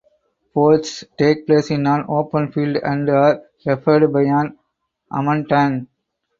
Bouts take place in an open field and are refereed by an "aman etan".